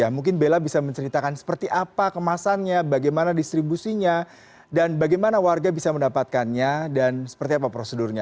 mungkin bella bisa menceritakan seperti apa kemasannya bagaimana distribusinya dan bagaimana warga bisa mendapatkannya dan seperti apa prosedurnya